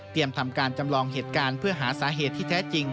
ทำการจำลองเหตุการณ์เพื่อหาสาเหตุที่แท้จริง